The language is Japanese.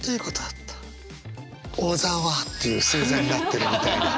「小沢」っていう星座になってるみたいな。